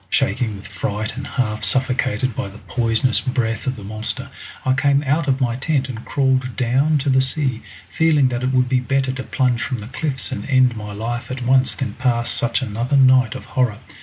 Shaking with fright and half suffocated by the poisonous breath of the monster, I came out of my tent and crawled down to the sea, feeling that it would be better to plunge from the cliffs and end my life at once than pass such another night of horror.